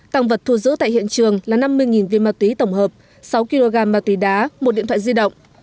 tăng vật thu giữ tại hiện trường là năm mươi viên ma túy tổng hợp sáu kg ma túy đá một điện thoại di động